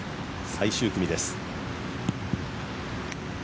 最終組です。